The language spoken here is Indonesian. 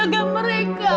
kamu harus jaga mereka